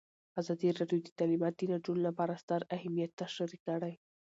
ازادي راډیو د تعلیمات د نجونو لپاره ستر اهميت تشریح کړی.